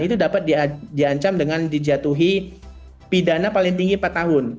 itu dapat diancam dengan dijatuhi pidana paling tinggi empat tahun